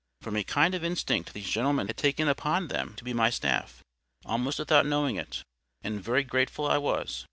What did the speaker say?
From a kind of instinct these gentlemen had taken upon them to be my staff, almost without knowing it, and very grateful I was.